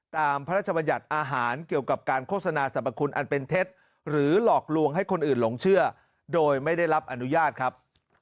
พระราชบัญญัติอาหารเกี่ยวกับการโฆษณาสรรพคุณอันเป็นเท็จหรือหลอกลวงให้คนอื่นหลงเชื่อโดยไม่ได้รับอนุญาตครับ